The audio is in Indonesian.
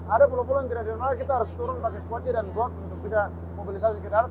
ada pulau pulau yang tidak di remaga kita harus turun pakai sepoci dan got untuk mobilisasi ke darat